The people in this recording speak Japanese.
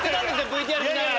ＶＴＲ見ながら。